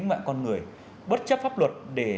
và cướp tài sản